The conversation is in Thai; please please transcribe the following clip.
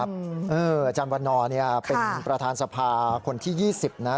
อาจารย์วันนอร์เป็นประธานสภาคนที่๒๐นะ